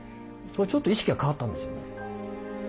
ちょっと意識が変わったんですよね。